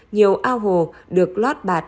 nhiều ao hồ được lót bạt